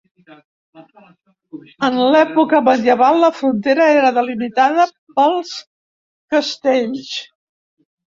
En l’època medieval, la frontera era delimitada pels castells.